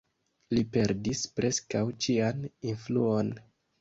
Li perdis preskaŭ ĉian influon.